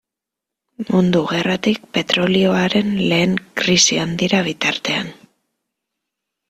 Mundu Gerratik petrolioaren lehen krisi handira bitartean.